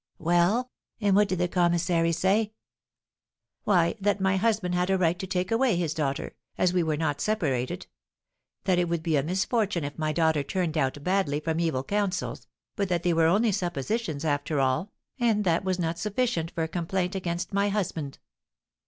"Well, and what did the commissary say?" "Why, that my husband had a right to take away his daughter, as we were not separated; that it would be a misfortune if my daughter turned out badly from evil counsels, but that they were only suppositions, after all, and that was not sufficient for a complaint against my husband.